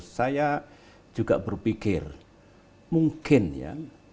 saya juga berpikir mungkin ya